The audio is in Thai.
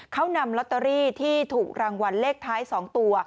เขานำลอตเตอรี่ที่ถูกรางวัลเลขท้าย๒ตัว